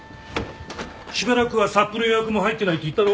しばらくはサップの予約も入ってないって言ったろ？